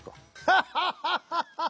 ハハハハハ！